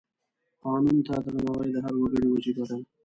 قانون ته درناوی د هر وګړي وجیبه ده.